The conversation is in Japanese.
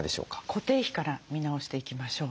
固定費から見直していきましょう。